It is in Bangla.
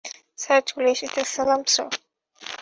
স্যার চলে এসেছে, সালাম স্যার।